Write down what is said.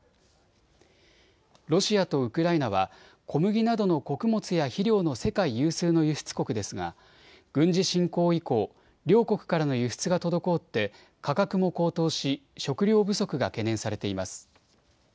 ロシアとウクライナは小麦などの穀物や肥料の世界有数の輸出国ですが軍事侵攻以降、両国からの輸出が滞って価格も高騰し食料不足が懸念されています。